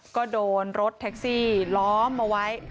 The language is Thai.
ก็โดนรถแท็กซี่ล้อมเอาไว้